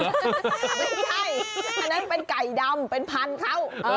ไม่ใช่อันนั้นเป็นไก่ดำเป็นพันธุ์เขา